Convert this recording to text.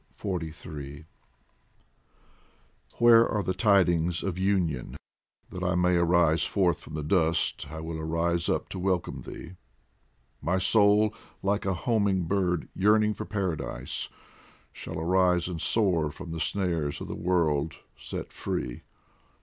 XLIII WHERE are the tidings of union ? that I may arise Forth from the dust I will rise up to welcome thee ! My soul, like a homing bird, yearning for Paradise, Shall arise and soar, from the snares of the world set free.